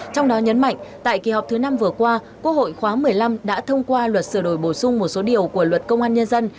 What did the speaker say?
trong đó nhấn mạnh tại kỳ họp thứ năm vừa qua quốc hội khóa một mươi năm đã thông qua luật sửa đổi bổ sung một số điều của luật công an nhân dân